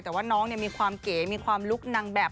แต่ว่าน้องมีความเก๋มีความลุคนางแบบ